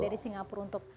dari singapura untuk